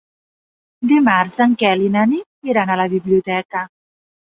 Dimarts en Quel i na Nit iran a la biblioteca.